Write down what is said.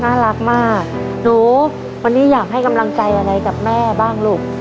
น่ารักมากหนูวันนี้อยากให้กำลังใจอะไรกับแม่บ้างลูก